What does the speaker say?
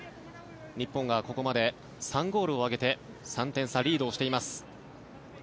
日本がここまで３ゴールを挙げて３点差、リードをしています。